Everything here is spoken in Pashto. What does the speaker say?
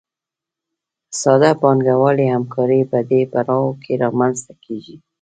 ساده پانګوالي همکاري په دې پړاو کې رامنځته کېږي